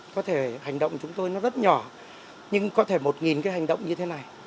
có thể hành động chúng tôi nó rất nhỏ nhưng có thể một cái hành động như thế này